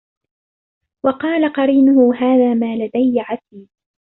وَقَالَ قَرِينُهُ هَذَا مَا لَدَيَّ عَتِيدٌ